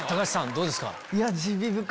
どうですか？